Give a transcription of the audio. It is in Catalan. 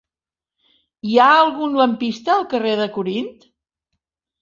Hi ha algun lampista al carrer de Corint?